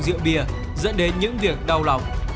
rượu bia dẫn đến những việc đau lòng